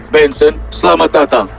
benson selamat datang